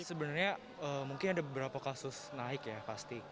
sebenarnya mungkin ada beberapa kasus naik ya pasti